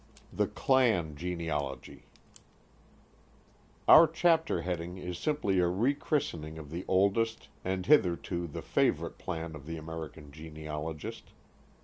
IV THE "CLAN" GENEALOGY Our chapter heading is simply a re christening of the oldest and hitherto the favorite plan of the American genealogist.